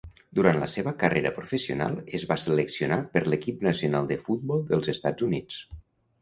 Durant la seva carrera professional, es va seleccionar per l'equip nacional de futbol dels Estats Units.